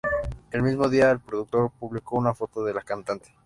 El mismo día, el productor publicó una foto de la cantante.